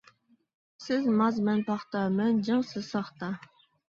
سىز ماز مەن پاختا، مەن جىڭ سىز ساختا.